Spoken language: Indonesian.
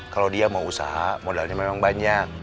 kalau dia mau usaha modalnya memang banyak